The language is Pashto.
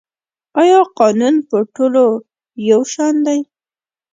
آیا قانون په ټولو یو شان دی؟